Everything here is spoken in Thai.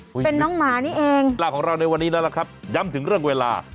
เป็นน้องหมานี่เองลาของเราในวันนี้แล้วล่ะครับย้ำถึงเรื่องเวลา